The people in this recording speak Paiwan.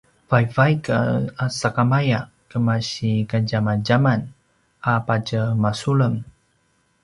vaivaik sakamaya kemasi kadjamadjaman a patje masulem